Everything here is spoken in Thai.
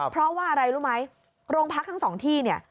เพราะว่าอะไรรู้ไหมโรงพักทั้ง๒ที่